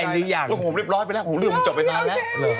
เริ่มโรยนมันจบไปแน่